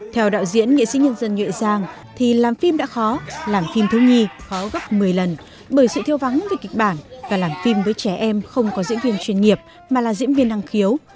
theo đạo diễn nghệ sĩ nhân dân nhuệ giang thì làm phim đã khó làm phim thiếu nhi khó gấp một mươi lần bởi sự thiêu vắng về kịch bản và làm phim với trẻ em không có diễn viên chuyên nghiệp mà là diễn viên năng khiếu